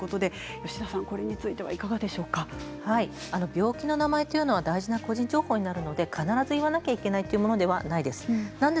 病気の名前というのは大事な個人情報になりますので必ず言わなければいけないというものではありません。